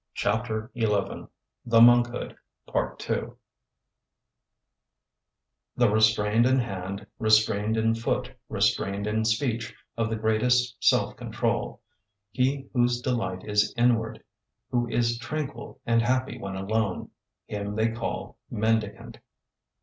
CHAPTER XI THE MONKHOOD II 'The restrained in hand, restrained in foot, restrained in speech, of the greatest self control. He whose delight is inward, who is tranquil and happy when alone him they call "mendicant."'